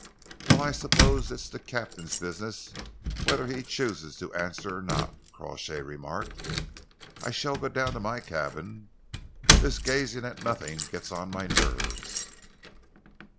"Well, I suppose it's the captain's business whether he chooses to answer or not," Crawshay remarked. "I shall go down to my cabin. This gazing at nothing gets on my nerves."